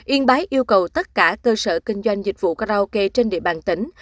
yên bái yêu cầu tất cả cơ sở kinh doanh dịch vụ karaoke trên địa bàn tỉnh